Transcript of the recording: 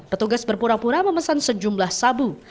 petugas berpura pura memesan sejumlah sabu